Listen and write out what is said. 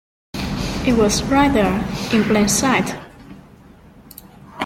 It was right there, in plain sight!